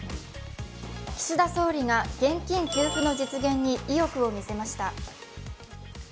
岸田総理が現金給付の実現に意欲を見せました。